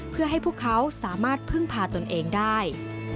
เพื่อให้พวกเขาสามารถพึ่งพาตนเองได้